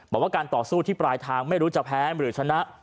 บอกว่าการต่อสู้ที่ปลายทางไม่รู้จะแพ้หรือชนะ